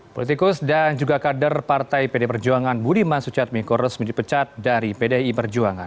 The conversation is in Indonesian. politikus dan juga kader partai pd perjuangan budiman sujatmiko resmi dipecat dari pdi perjuangan